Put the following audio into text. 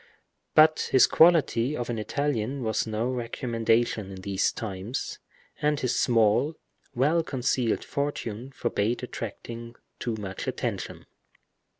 But his quality of an Italian was no recommendation in these times, and his small, well concealed fortune forbade attracting too much attention.